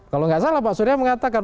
kalau nggak salah pak surya mengatakan